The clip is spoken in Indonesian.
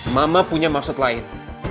mama punya maksud lain